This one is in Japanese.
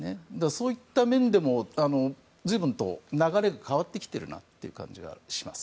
そういった面でも随分と流れが変わってきているなという感じがします。